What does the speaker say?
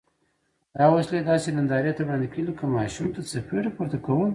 دا وسلې داسې نندارې ته وړاندې کوي لکه ماشوم ته څپېړه پورته کول.